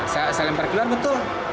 saya lempar keluar betul